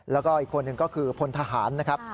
แล้วก็อีกคนหนึ่งก็คือพลทหารนะครับ